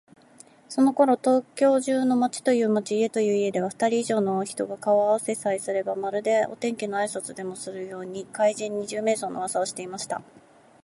そのころ、東京中の町という町、家という家では、ふたり以上の人が顔をあわせさえすれば、まるでお天気のあいさつでもするように、怪人「二十面相」のうわさをしていました。